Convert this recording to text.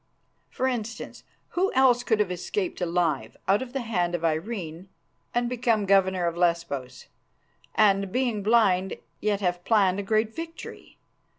For instance, who else could have escaped alive out of the hand of Irene and become governor of Lesbos, and, being blind, yet have planned a great victory?